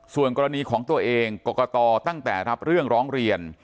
ส่วนกรณีของตัวเองกรกตตั้งแต่รับเรื่องร้องเรียน